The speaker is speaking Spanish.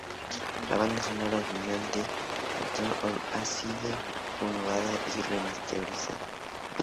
La banda sonora original de Rondo of Blood ha sido renovada y remasterizada.